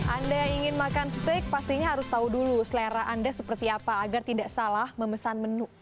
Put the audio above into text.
anda yang ingin makan steak pastinya harus tahu dulu selera anda seperti apa agar tidak salah memesan menu